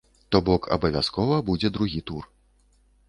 То бок абавязкова будзе другі тур.